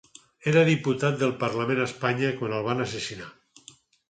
Era diputat del parlament d'Espanya quan el van assassinar.